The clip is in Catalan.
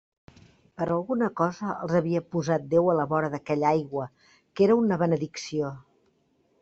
Per alguna cosa els havia posat Déu a la vora d'aquella aigua que era una benedicció.